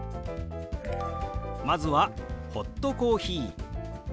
まずは「ホットコーヒー」。